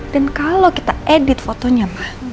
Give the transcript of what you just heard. dan kalau kita edit fotonya ma